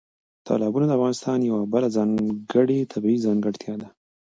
تالابونه د افغانستان یوه بله ځانګړې طبیعي ځانګړتیا ده.